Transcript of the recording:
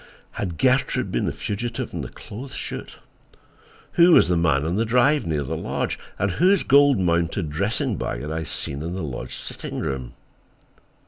Had Gertrude been the fugitive in the clothes chute? Who was the man on the drive near the lodge, and whose gold mounted dressing bag had I seen in the lodge sitting room?